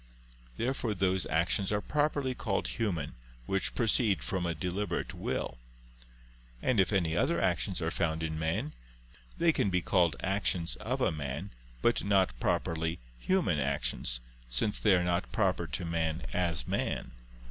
Therefore those actions are properly called human which proceed from a deliberate will. And if any other actions are found in man, they can be called actions "of a man," but not properly "human" actions, since they are not proper to man as man.